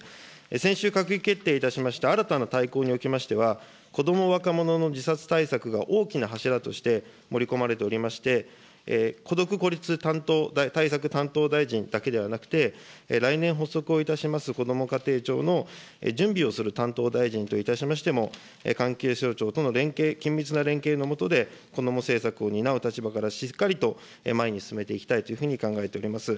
先週閣議決定いたしました新たな大綱におきましては、子ども、若者の自殺対策が大きな柱として、盛り込まれておりまして、孤独・孤立対策担当大臣だけではなくて、来年発足をいたします、こども家庭庁の準備をする担当大臣といたしましても、関係省庁との緊密な連携の下で、こども政策を担う立場からしっかりと前に進めていきたいというふうに考えております。